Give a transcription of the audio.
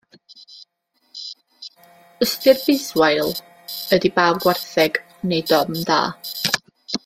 Ystyr biswail ydy baw gwartheg, neu dom da.